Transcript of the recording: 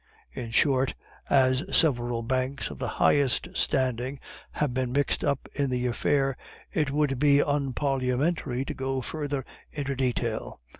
In short, as several banks of the highest standing have been mixed up in the affair, it would be unparliamentary to go further into detail.